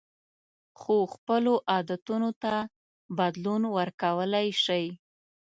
خو خپلو عادتونو ته بدلون ورکولی شئ.